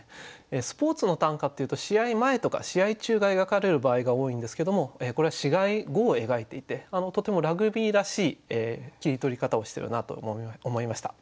スポーツの短歌っていうと試合前とか試合中が描かれる場合が多いんですけどもこれは試合後を描いていてとてもラグビーらしい切り取り方をしてるなと思いました。